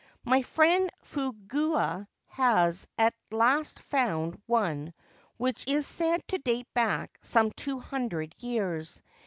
My friend Fukuga has at last found one which is said to date back some two hundred years.